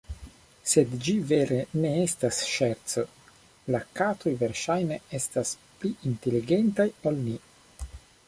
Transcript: Sed ĝi vere ne estas ŝerco, la katoj versaĵne estas pli inteligentaj ol ni.